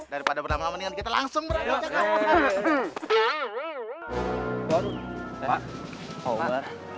daripada berlamangan mendingan kita langsung berangkates